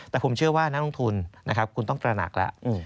แต่ผมเชื่อว่านักลงทุนนะครับคุณต้องตระหนักแล้ว